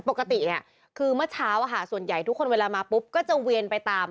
ปกติเนี่ยคือเมื่อเช้าส่วนใหญ่ทุกคนเวลามาปุ๊บก็จะเวียนไปตาม